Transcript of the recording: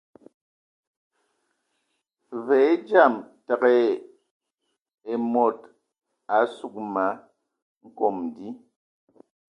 Və e dzam təgə ai e mod a sug ma nkom di.